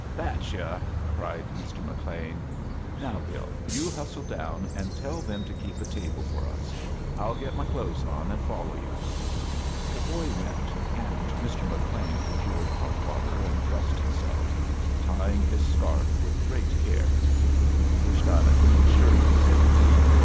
That's yo'l" cried Rb. McLean. "Now, Bill, you hustle down and tell them to keep a table for us. I'll get my clothes on and follow yo*." The hoy went, and Hr. HcLean procured hot water and dressed himself, tying his scarf with great care. Wished I'd a clean shirt," said he.